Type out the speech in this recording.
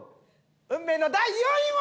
運命の第４位は。